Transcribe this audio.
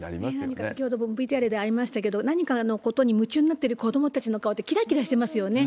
何か先ほどもＶＴＲでありましたけど、何かのことに夢中になってる子どもたちの顔って、きらきらしてますよね。